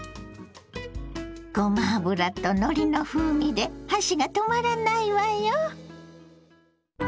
ごま油とのりの風味で箸が止まらないわよ！